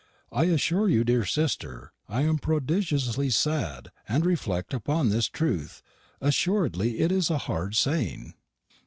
I ashure you, dear sister, I am prodidjusly sadd when I reffleckt upon this truth ashuredly it is a harde saying."